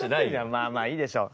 まあまあいいでしょう。